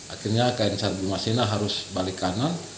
akhirnya knsr bimasena harus balik kanan